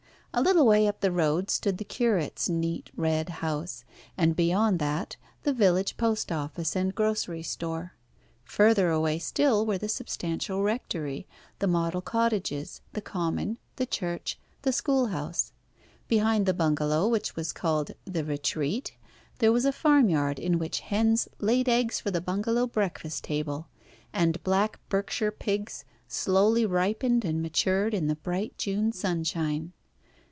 A little way up the road stood the curate's neat red house, and beyond that the village post office and grocery store. Further away still were the substantial rectory, the model cottages, the common, the church, and schoolhouse. Behind the bungalow, which was called "The Retreat," there was a farmyard in which hens laid eggs for the bungalow breakfast table, and black Berkshire pigs slowly ripened and matured in the bright June sunshine.